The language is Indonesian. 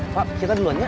pak kita dulunya